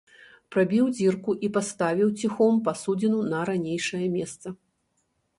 Прабіў дзірку і паставіў ціхом пасудзіну на ранейшае месца.